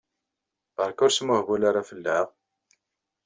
Berka ur smuhbul ara fell-aɣ!